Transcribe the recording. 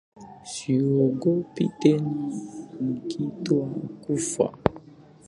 Siogopi tena nikiitwa kufa,